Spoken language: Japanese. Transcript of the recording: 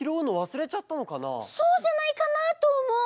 そうじゃないかなとおもう！